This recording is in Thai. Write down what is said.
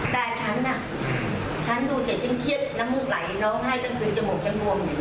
แต่ฉันน่ะฉันดูเสียเชี่ยงเครียดน้ำมูกไหลน้องให้ตั้งคืนจมูกฉันม่วมเห็นไหม